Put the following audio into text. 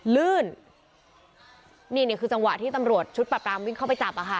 ลื่นนี่นี่คือจังหวะที่ตำรวจชุดปรับปรามวิ่งเข้าไปจับอ่ะค่ะ